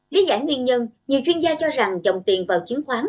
lý giải nguyên nhân nhiều chuyên gia cho rằng dòng tiền vào chứng khoán